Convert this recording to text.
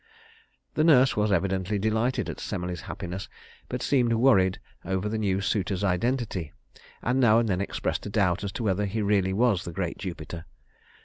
The nurse was evidently delighted at Semele's happiness, but seemed worried over the new suitor's identity, and now and then expressed a doubt as to whether he really was the great Jupiter.